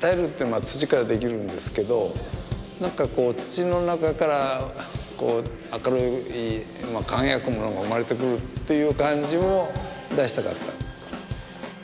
タイルって土からできるんですけど何か土の中から明るい輝くものが生まれてくるっていう感じも出したかった。